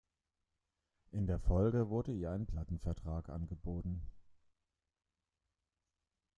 In der Folge wurde ihr ein Plattenvertrag angeboten.